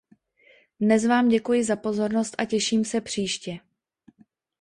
Dnes vám děkuji za pozornost a těším se příště.